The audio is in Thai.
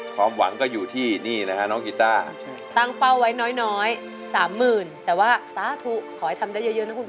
ความหวังก็อยู่ที่นี่นะฮะน้องกีต้าใช่